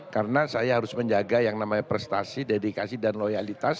karena saya harus menjaga yang namanya prestasi dedikasi dan loyalitas